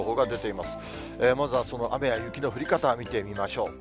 まずはその雨や雪の降り方、見てみましょう。